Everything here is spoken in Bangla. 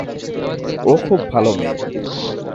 ও খুব ভালো মেয়ে।